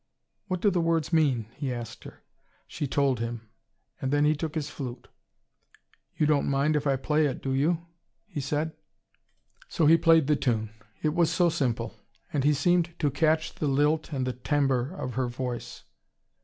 "What do the words mean?" he asked her. She told him. And then he took his flute. "You don't mind if I play it, do you?" he said. So he played the tune. It was so simple. And he seemed to catch the lilt and the timbre of her voice.